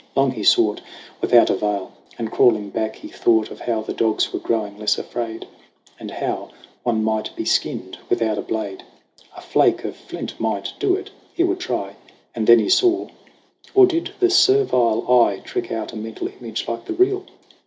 Long he sought Without avail ; and, crawling back, he thought Of how the dogs were growing less afraid, And how one might be skinned without a blade. A flake of flint might do it : he would try. And then he saw or did the servile eye Trick out a mental image like the real